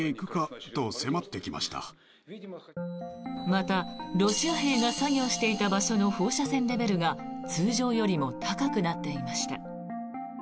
またロシア兵が作業していた場所の放射線レベルが通常よりも高くなっていました。